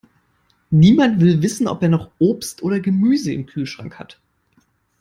Niemand will wissen, ob er noch Obst oder Gemüse im Kühlschrank hat.